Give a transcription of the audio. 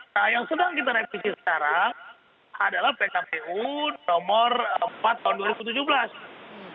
nah yang sedang kita revisi sekarang adalah pkpu nomor empat tahun dua ribu tujuh belas